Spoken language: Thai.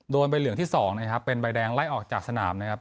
ใบเหลืองที่๒นะครับเป็นใบแดงไล่ออกจากสนามนะครับ